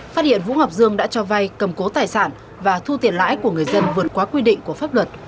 phát hiện vũ ngọc dương đã cho vay cầm cố tài sản và thu tiền lãi của người dân vượt qua quy định của pháp luật